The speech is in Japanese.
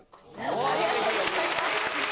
ありがとうございます。